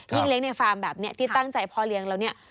เลี้ยงในฟาร์มแบบนี้ที่ตั้งใจพ่อเลี้ยงแล้วเนี่ย